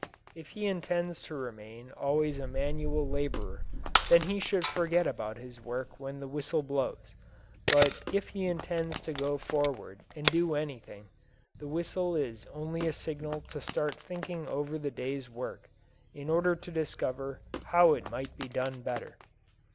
If he intends to remain always a manual labourer, then he should forget about his work when the whistle blows, but if he intends to go forward and do anything, the whistle is only a signal to start thinking over the day's work in order to discover how it might be done better.